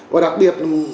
và đặc biệt